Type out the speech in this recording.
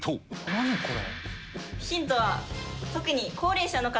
何これ。